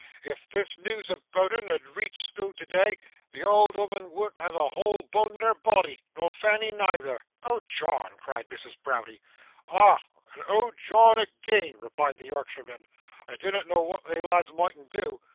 If this news aboot 'un has reached school today, the old 'ooman wean't have a whole boan in her boddy, nor Fanny neither.' 'Oh, John!' cried Mrs. Browdie. 'Ah! and Oh, John agean,' replied the Yorkshireman. 'I dinnot know what they lads mightn't do.